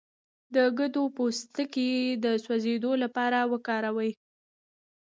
د کدو پوستکی د سوځیدو لپاره وکاروئ